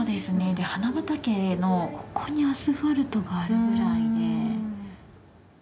で花畑のここにアスファルトがあるぐらいで。